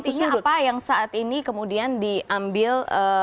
tapi intinya apa yang saat ini kemudian diambil